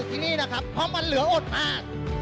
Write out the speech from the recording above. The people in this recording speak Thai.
เพราะมันเหลืออดเผา